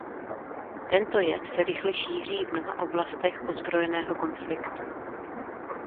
Tento jev se rychle šíří v mnoha oblastech ozbrojeného konfliktu.